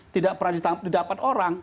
tidak pernah didapat orang